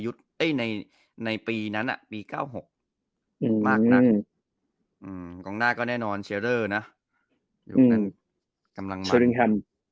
อืมมากนักอืมกลางหน้าก็แน่นอนเชอร์เรอร์นะอืมกำลังเชอร์ลิงแฮม